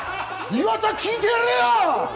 岩田、聞いてやれよ！